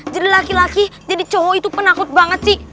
jadi laki laki jadi cowok itu penakut banget sih